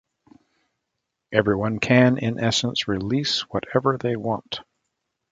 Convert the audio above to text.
Everyone can, in essence, release whatever they want.